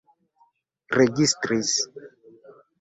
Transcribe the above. registris